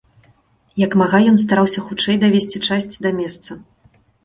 Як мага ён стараўся хутчэй давезці часць да месца.